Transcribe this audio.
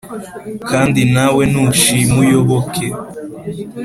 Kandi nawe nushima uyoboke